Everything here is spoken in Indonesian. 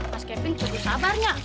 mas kevin tuh sabar nya